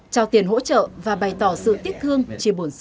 trao tiền hỗ trợ và bày tỏ sự tiếc thương chi bổn sâu sắc